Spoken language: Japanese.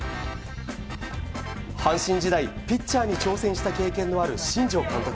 阪神時代、ピッチャーに挑戦した経験のある新庄監督。